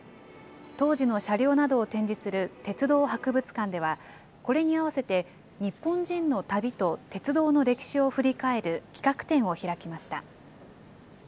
当時の車両などを展示する鉄道博物館では、これに合わせて、日本人の旅と鉄道の歴史を振り返る企画展を開きました。